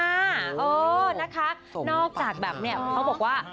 เออนะคะนอกจากแบบนี้เขาบอกว่า